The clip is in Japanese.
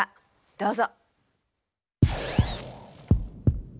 どうぞ。